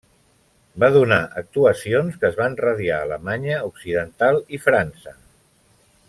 Va donar actuacions que es van radiar a Alemanya Occidental i França.